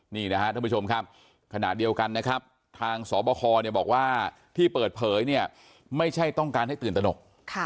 นี่นะครับท่านผู้ชมครับขณะเดียวกันนะครับทางสบคบอกว่าที่เปิดเผยเนี่ยไม่ใช่ต้องการให้ตื่นตนก